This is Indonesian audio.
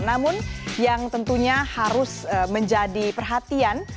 namun yang tentunya harus menjadi perhatian